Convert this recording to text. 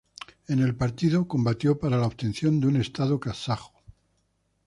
En el partido, combatió para la obtención de un estado kazajo.